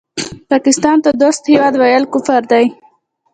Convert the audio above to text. پاکستان ته دوست هېواد وویل کفر دی